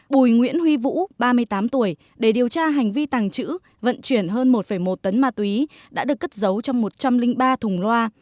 bùi nguyễn huy vũ ba mươi tám tuổi để điều tra hành vi tàng trữ vận chuyển hơn một một tấn ma túy đã được cất giấu trong một trăm linh ba thùng loa